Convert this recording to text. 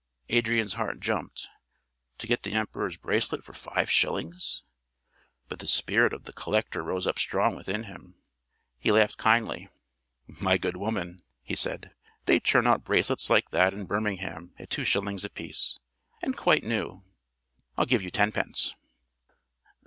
Adrian's heart jumped. To get the Emperor's Bracelet for five shillings! But the spirit of the collector rose up strong within him. He laughed kindly. "My good woman," he said, "they turn out bracelets like that in Birmingham at two shillings apiece. And quite new. I'll give you tenpence."